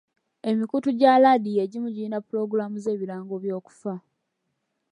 Emikutu gya laadiyo egimu girina pulogulaamu z'ebirango by'okufa.